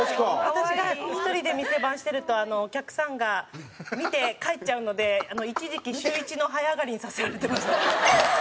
私が１人で店番してるとお客さんが見て帰っちゃうので一時期週１の早上がりにさせられてました。